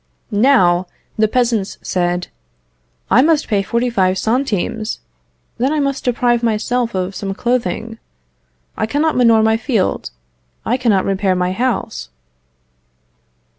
Now, the peasants said, "I must pay forty five centimes; then I must deprive myself of some clothing. I cannot manure my field; I cannot repair my house."